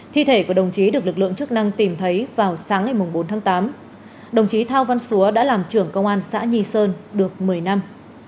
những chức năng tìm thấy vào sáng ngày bốn tháng tám đồng chí thao văn súa đã làm trưởng công an xã nhi sơn được một mươi năm